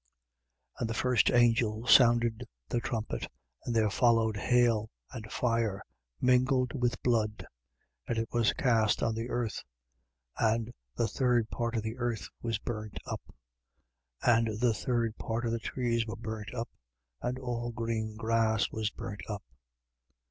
8:7. And the first angel sounded the trumpet: and there followed hail and fire, mingled with blood: and it was cast on the earth. And the third part of the earth was burnt up: and the third part of the trees was burnt up: and all green grass was burnt up.